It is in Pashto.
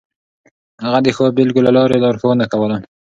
هغه د ښو بېلګو له لارې لارښوونه کوله.